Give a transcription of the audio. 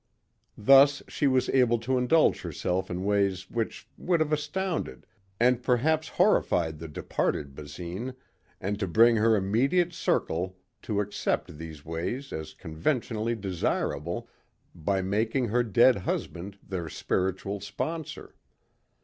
Thus she was able to indulge herself in ways which would have astounded and perhaps horrified the departed Basine and to bring her immediate circle to accept these ways as conventionally desirable by making her dead husband their spiritual sponsor.